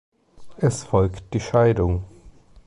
Es folgt die Scheidung.